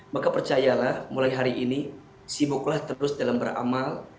maka percayalah mulai hari ini sibuklah terus dalam beramal